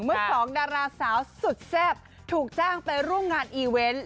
เมื่อสองดาราสาวสุดแซ่บถูกจ้างไปร่วมงานอีเวนต์